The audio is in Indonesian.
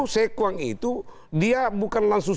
sekuang itu dia bukan langsung